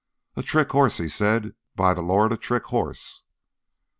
"A trick horse!" he said. "By the Lord, a trick horse!"